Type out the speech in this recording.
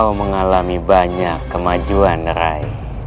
mau mengalami banyak kemajuan rai